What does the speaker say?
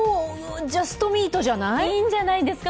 ジャストミートじゃない？